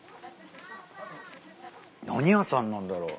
何屋さんなんだろう。